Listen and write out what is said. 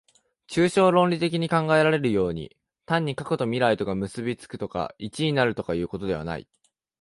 抽象論理的に考えられるように、単に過去と未来とが結び附くとか一になるとかいうのではない。